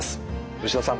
吉田さん